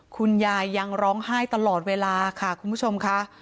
คุณยายยังร้องไห้ตลอดเวลาค่ะคุณผู้ชมค่ะ